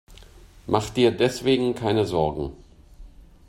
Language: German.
Mach dir deswegen keine Sorgen.